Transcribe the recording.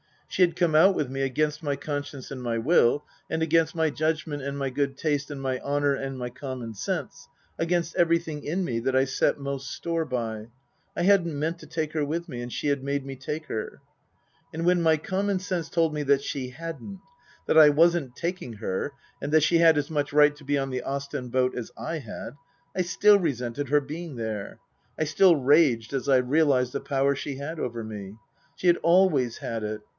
She had come out with me against my conscience and my will, and against my judg ment and my good taste and my honour and my common sense, against everything in me that I set most store by. I hadn't meant to take her with me, and she had made me take her. And when my common sense told me that she hadn't ; that I wasn't taking her, and that she had as much right to be on the Ostend boat as I had, I still resented her being there. I still raged as I realized the power she had over me. She had always had it.